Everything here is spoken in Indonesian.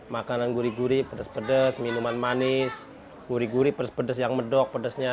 makanan gurih gurih pedes pedes minuman manis gurih gurih pedes pedes yang medok pedesnya